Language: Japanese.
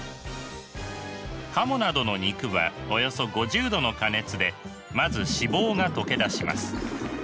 カモなどの肉はおよそ５０℃の加熱でまず脂肪が溶け出します。